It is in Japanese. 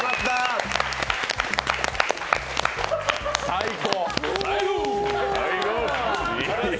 最高。